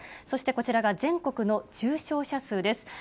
そしてこちらが全国の重症者数です。